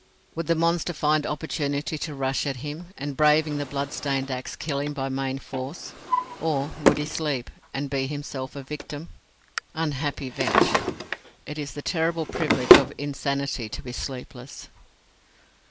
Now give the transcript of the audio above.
Would the monster find opportunity to rush at him, and, braving the blood stained axe, kill him by main force? or would he sleep, and be himself a victim? Unhappy Vetch! It is the terrible privilege of insanity to be sleepless.